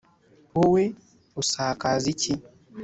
wowe usakaza iki,